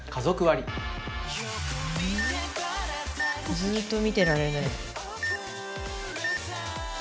ずっと見てられる。